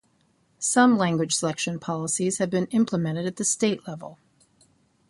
Some language selection policies have been implemented at the state level.